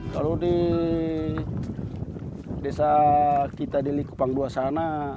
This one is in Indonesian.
kalau di desa kita di likupang ii sana